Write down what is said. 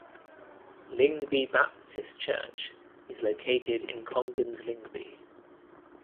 Lyngby Baptist Church is located in Kongens Lyngby.